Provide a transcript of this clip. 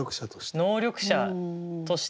能力者として。